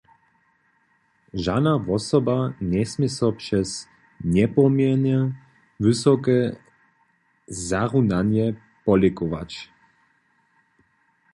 Žana wosoba njesmě so přez njepoměrnje wysoke zarunanje polěkować.